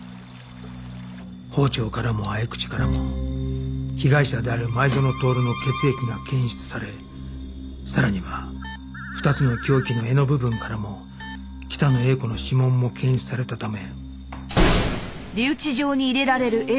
包丁からも匕首からも被害者である前園徹の血液が検出されさらには２つの凶器の柄の部分からも北野英子の指紋も検出されたため